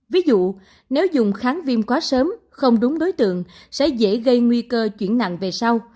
ví dụ nếu dùng kháng viêm quá sớm không đúng đối tượng sẽ dễ gây nguy cơ chuyển nặng về sau